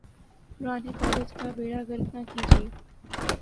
پرانے کالج کا بیڑہ غرق نہ کیجئے۔